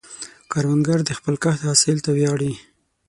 کروندګر د خپل کښت حاصل ته ویاړي